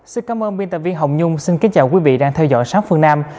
xin cám ơn biên tập viên hồng nhung xin kính chào quý vị đang theo dõi sáng phương nam